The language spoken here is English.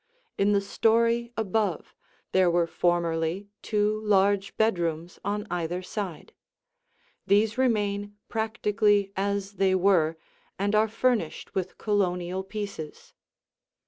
In the story above there were formerly two large bedrooms on either side. These remain practically as they were and are furnished with Colonial pieces.